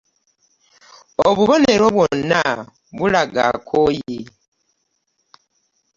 Obubonero bwonna bulaga akooye.